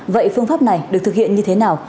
vậy phương pháp này được thực hiện như thế nào